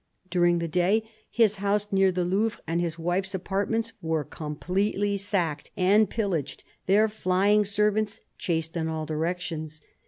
During the day his house near the Louvre and his wife's apartments were completely sacked and pillaged, their flying servants chased in all directions.